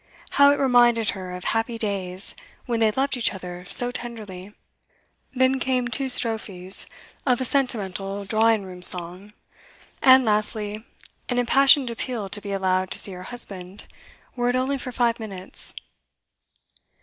How it reminded her of happy days, when they loved each other so tenderly! Then came two strophes of a sentimental drawing room song, and lastly, an impassioned appeal to be allowed to see her husband, were it only for five minutes.